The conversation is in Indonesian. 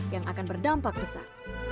yang akan berdampak besar